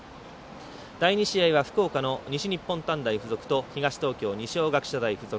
第２試合は福岡の西日本短大付属と東東京の二松学舎大付属。